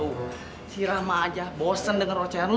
tuh si rama aja bosen dengan rocehan lo